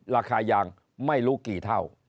ราคายางไม่รู้กี่เท่า